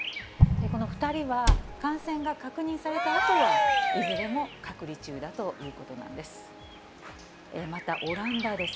この２人は、感染が確認されたあとは、いずれも隔離中だということなんです。